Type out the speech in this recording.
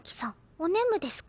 おねむですか？